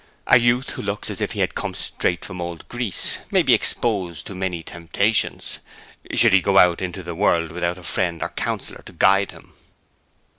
A youth who looks as if he had come straight from old Greece may be exposed to many temptations, should he go out into the world without a friend or counsellor to guide him.'